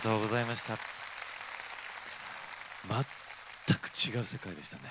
全く違う世界でしたね。